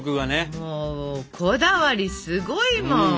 もうこだわりすごいもん！